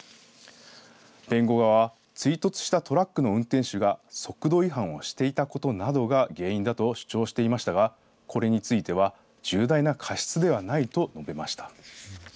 弁護側は追突したトラックの運転手が速度違反をしていたことなどが原因だと主張していましたがこれについては重大な過失ではないと述べました。